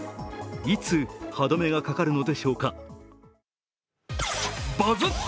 いつ歯止めがかかるのでしょうか。